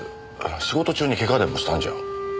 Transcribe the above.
仕事中にケガでもしたんじゃ。